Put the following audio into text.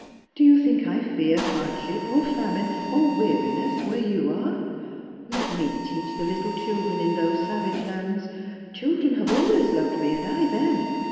Do you think I fear hardship, or famine, or weariness, where you are ? Let me teach the little children in those savage lands. Children have always loved me, and I them.